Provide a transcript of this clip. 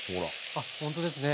あっほんとですね。